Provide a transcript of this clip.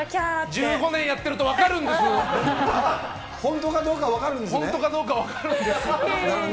１５年やってると分かるんで本当かどうか分かるんですね。